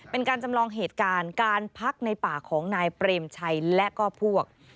เป็นการจำลองเหตุการณ์การพักในป่าของนายเปรมชัยและก็พวก